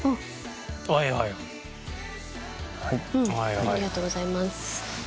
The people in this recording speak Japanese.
ありがとうございます。